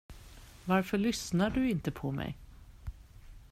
Varför lyssnar du inte på mig?